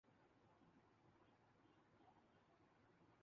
وہ دھڑلے کے آدمی تھے۔